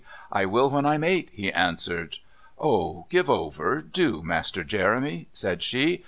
"I will when I'm eight," he answered. "Oh, give over, do, Master Jeremy," said she.